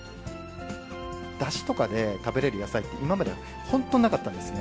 だしとかで食べれる野菜って、今までは本当になかったんですね。